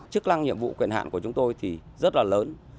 chức năng nhiệm vụ quyền hạn của chúng tôi thì rất là lớn